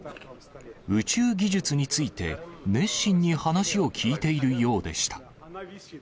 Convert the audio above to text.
宇宙技術について、熱心に話を聞いているようでした。